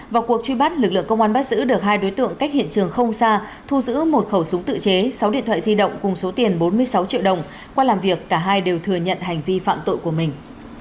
vào cuộc truy bắt lực lượng công an bắt giữ được hai đối tượng cách hiện trường không xa thu giữ một khẩu súng tự chế sáu điện thoại di động cùng số tiền bốn mươi sáu triệu đồng qua làm việc cả hai đều thừa nhận hành vi phạm tội của mình